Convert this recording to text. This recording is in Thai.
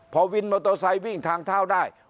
พอวินมอเตอร์ไซค์วิ่งทางเท้าได้